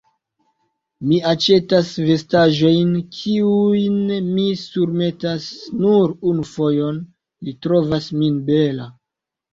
Mi aĉetas vestaĵojn kiujn mi surmetas nur unu fojon: li trovas min bela.